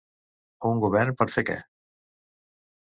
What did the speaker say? Un govern per fer què?